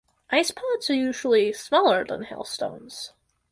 Ice pellets are usually smaller than hailstones.